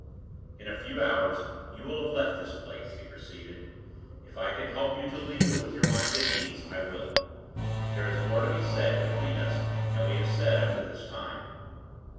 "In a few hours you will have left this place," he proceeded. "If I can help you to leave it with your mind at ease, I will. There is more to be said between us than we have said up to this time.